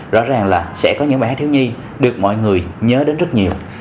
rõ ràng là sẽ có những bài hát thiếu nhi được mọi người nhớ đến rất nhiều